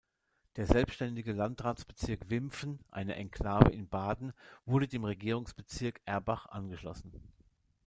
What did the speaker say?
Der selbstständige Landratsbezirk Wimpfen, eine Exklave in Baden wurde dem Regierungsbezirk Erbach angeschlossen.